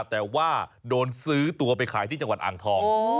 แต่ว่าโดนซื้อตัวไปขายที่จังหวัดอ่างทอง